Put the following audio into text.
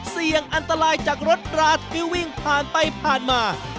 เสี่ยงอันตรายจากรถราที่วิ่งผ่านไปผ่านมา